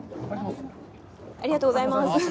ありがとうございます。